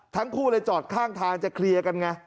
ทั้งคู่เลยจอดข้างทางจะเคลียร์กันไง